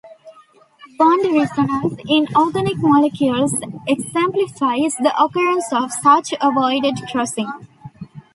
Bond resonance in organic molecules exemplifies the occurrence of such avoided crossings.